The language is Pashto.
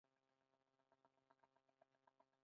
له هغه هیواد سره چې جنګ ته ورسېدو.